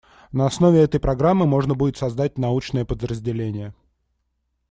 На основе этой программы можно будет создать научное подразделение.